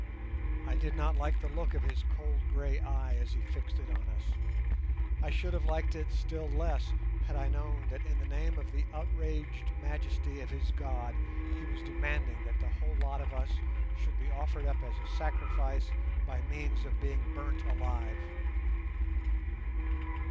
I did not like the look of his cold grey eye as he fixed it on us. I should have liked it still less had I known that in the name of the outraged majesty of his god he was demanding that the whole lot of us should be offered up as a sacrifice by means of being burnt alive.